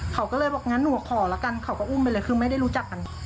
เขาก็เลยบอกงั้นหนูขอแล้วกันเขาก็อุ้มไปเลยคือไม่ได้รู้จักกัน